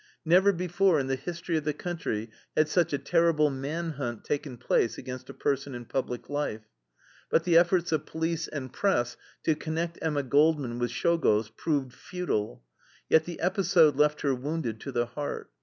Never before in the history of the country had such a terrible man hunt taken place against a person in public life. But the efforts of police and press to connect Emma Goldman with Czolgosz proved futile. Yet the episode left her wounded to the heart.